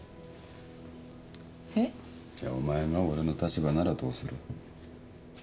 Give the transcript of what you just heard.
いやお前が俺の立場ならどうする？